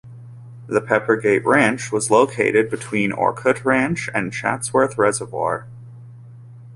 The Peppergate Ranch was located between Orcutt Ranch and Chatsworth Reservoir.